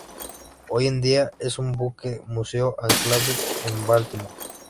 Hoy en día es un buque museo anclado en Baltimore.